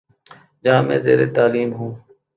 جہاں میں زیرتعلیم ہوں